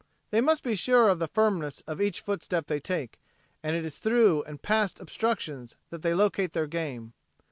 They must be sure of the firmness of each footstep they take, and it is through and past obstructions that they locate their game.